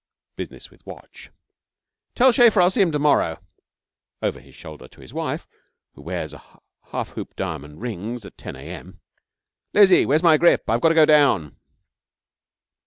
(Business with watch.) Tell Schaefer I'll see him to morrow.' (Over his shoulder to his wife, who wears half hoop diamond rings at 10 A.M.) 'Lizzie, where's my grip? I've got to go down.'